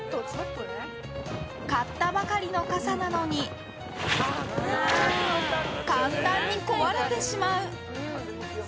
買ったばかりの傘なのに簡単に壊れてしまう！